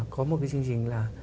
có một cái chương trình là